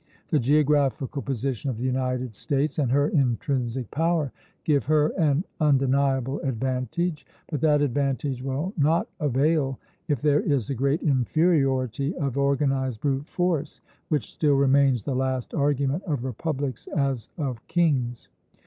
The geographical position of the United States and her intrinsic power give her an undeniable advantage; but that advantage will not avail if there is a great inferiority of organized brute force, which still remains the last argument of republics as of kings.